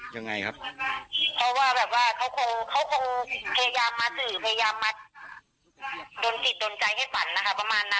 ยังไงครับเพราะว่าแบบว่าเขาคงเขาคงพยายามมาสื่อพยายามมาโดนจิตโดนใจให้ฝันนะคะประมาณนั้น